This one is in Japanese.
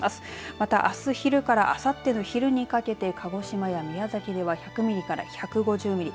またあす昼からあさっての昼にかけて鹿児島や宮崎では１００ミリから１５０ミリ。